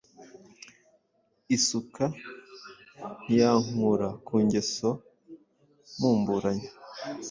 Isuka ntiyankura ku ngeso mumburanya